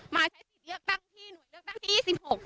มาใช้สิทธิ์เลือกตั้งที่หน่วยเลือกตั้งที่๒๖